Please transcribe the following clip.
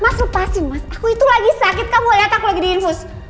mas lepasin mas aku itu lagi sakit kamu lihat aku lagi di infus